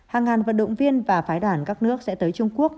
hàng ngàn vận động viên và phái đoàn các nước sẽ tới trung quốc